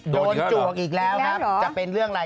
จวกอีกแล้วครับจะเป็นเรื่องอะไร